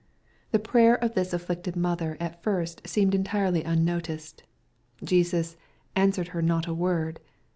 The prayer oi this afflicted mother at first seemed entirely unnoticed : Jesus " answered her not a word."